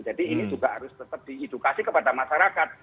jadi ini juga harus tetap di edukasi kepada masyarakat